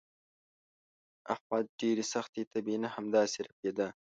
احمد د ډېرې سختې تبې نه همداسې ړپېدا.